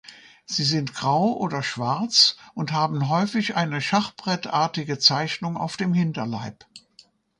Sie sind grau oder schwarz und haben häufig eine schachbrettartige Zeichnung auf dem Hinterleib.